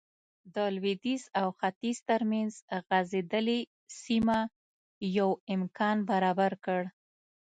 د لوېدیځ او ختیځ ترمنځ غځېدلې سیمه یو امکان برابر کړ.